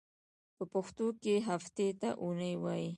په پښتو کې هفتې ته اونۍ وایی.